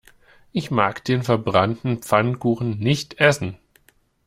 Ich mag den verbrannten Pfannkuchen nicht essen.